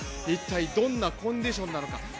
一体どんなコンディションなのか